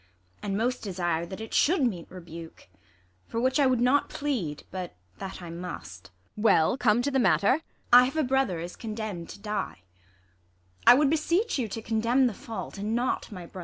And most desire that it should meet rebuke ; For which I would not plead, but that I must. Ang. Well, come to the matter ! IsAB. I have a brother is condemn'd to die. I would beseech you to condemn the fault, and not My brother.